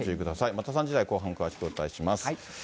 また３時台後半、詳しくお伝えします。